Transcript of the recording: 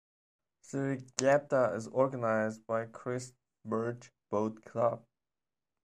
The regatta is organized by Christ Church Boat Club.